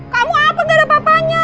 kamu apa gak ada bapaknya